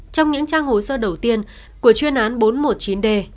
trong những trang hồ sơ đầu tiên của chuyên án bốn trăm một mươi chín d